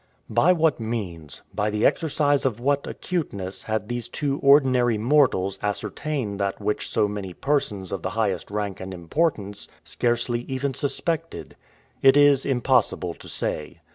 By what means, by the exercise of what acuteness had these two ordinary mortals ascertained that which so many persons of the highest rank and importance scarcely even suspected? It is impossible to say.